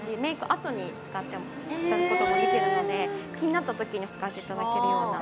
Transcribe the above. あとに使うこともできるので気になったときに使っていただけるような